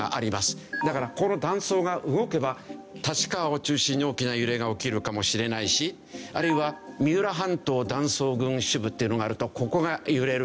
だからこの断層が動けば立川を中心に大きな揺れが起きるかもしれないしあるいは三浦半島断層群主部っていうのがあるとここが揺れる。